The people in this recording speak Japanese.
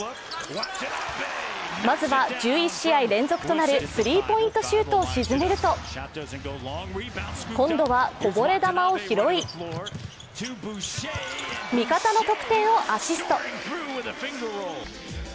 まずは１１試合連続となるスリーポイントシュートを沈めると今度は、こぼれ球を拾い、味方の得点をアシスト。